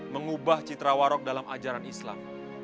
mengubah citra warok dalam ajaran islam